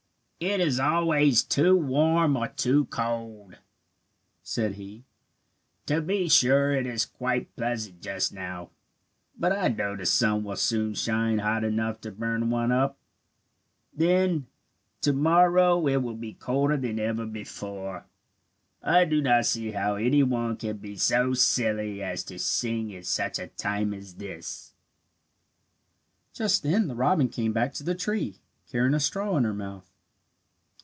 "It is always too warm or too cold," said he. "To be sure it is quite pleasant just now; but I know that the sun will soon shine hot enough to burn one up. Then to morrow it will be colder than ever before. I do not see how any one can be so silly as to sing at such a time as this." Just then the robin came back to the tree, carrying a straw in her mouth.